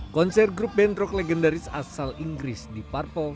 konser grup band rock legendaris asal inggris deep purple